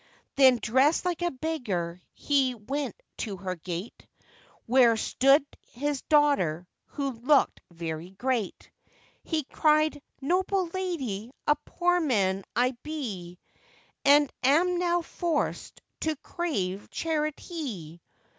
Then dressed like a beggar he went to her gate, Where stood his daughter, who looked very great; He cried, 'Noble lady, a poor man I be, And am now forced to crave charity.